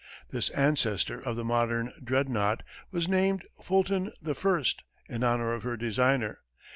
This ancestor of the modern "Dreadnought" was named "Fulton the First" in honor of her designer.